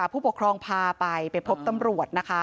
ผู้ปกครองพาไปไปพบตำรวจนะคะ